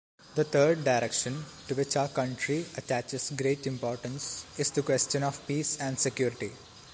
The third direction, to which our country attaches great importance, is the question of peace and security.